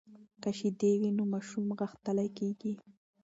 که شیدې وي نو ماشوم غښتلۍ کیږي.